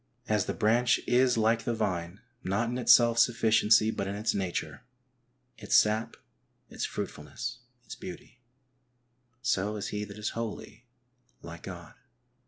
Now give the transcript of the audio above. As the branch is like the vine, not in its self sufficiency, but in its nature, its sap, its fruitfulness, its beauty, so is he that is holy like God.